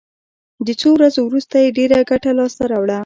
د څو ورځو وروسته یې ډېره ګټه لاس ته راوړه.